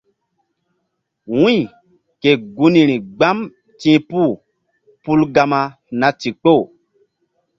Wu̧y ke gunri gbam ti̧h puh pul Gama na ndikpoh.